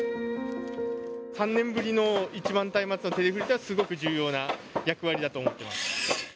３年ぶりの一番松明の手々振っていうのは、すごく重要な役割だと思っています。